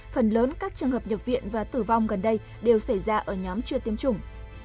phần lớn các trường hợp nhập viện và tử vong gần đây đều xảy ra ở nhóm chưa tiêm chủng